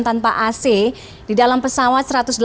tanpa ac di dalam pesawat